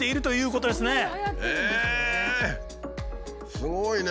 すごいね。